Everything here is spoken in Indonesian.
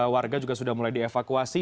warga juga sudah mulai dievakuasi